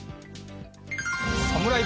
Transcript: サムライ